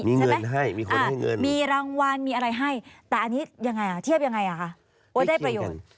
มีเงินให้มีคนให้เงินมีรางวัลมีอะไรให้แต่อันนี้ยังไงเทียบยังไงค่ะว่าได้ประโยชน์